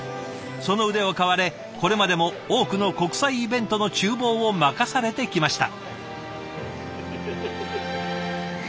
その腕を買われこれまでも多くの国際イベントのちゅう房を任されてきました。